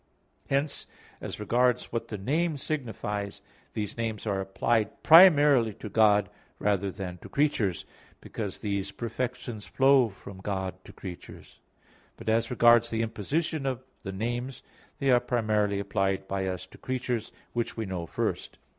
Hence as regards what the name signifies, these names are applied primarily to God rather than to creatures, because these perfections flow from God to creatures; but as regards the imposition of the names, they are primarily applied by us to creatures which we know first.